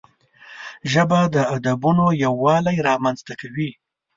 ژبه د ادبونو یووالی رامنځته کوي